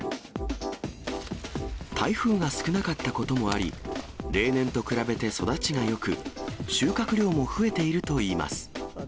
台風が少なかったこともあり、例年と比べて育ちがよく、収穫量も増えているといいます。